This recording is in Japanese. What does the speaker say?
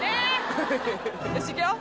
よしいくよ。